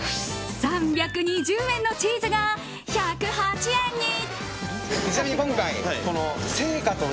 ３２０円のチーズが１０８円に。